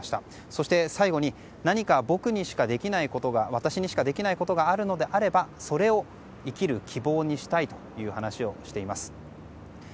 そして、最後に何か私にしかできないことがあるのであればそれを生きる希望にしたいという話をしています。